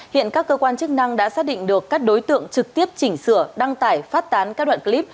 hiện các cơ quan chức năng đã xác định được các đối tượng trực tiếp chỉnh sửa đăng tải phát tán các đoạn clip